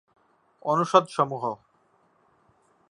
অনুষদ সমূহ